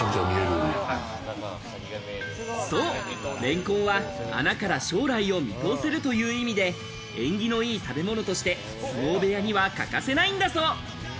そう、レンコンは穴から将来を見通せるという意味で縁起のいい食べ物として、相撲部屋には欠かせないんだそう。